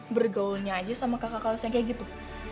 bergaulnya aja sama kakak kelasnya kayak gitu